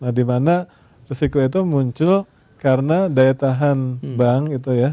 nah dimana risiko itu muncul karena daya tahan bank itu ya